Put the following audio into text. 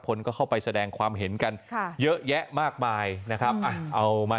คนก็เข้าไปแสดงความเห็นกันค่ะเยอะแยะมากมายนะครับอ่ะเอามา